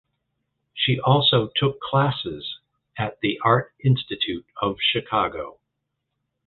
She also took classes at the Art Institute of Chicago.